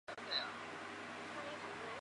此党于犹太人大起义期间十分著名。